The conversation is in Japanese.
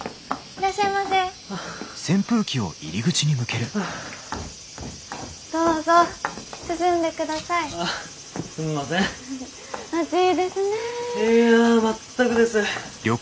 いや全くです。